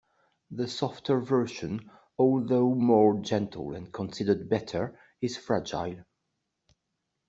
The softer version although more gentle and considered better, is fragile.